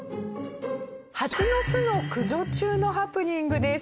ハチの巣の駆除中のハプニングです。